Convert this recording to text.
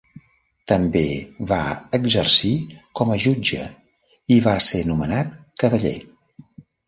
També va exercir com a jutge i va ser nomenat cavaller.